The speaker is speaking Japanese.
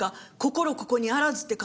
ここにあらずって感じで。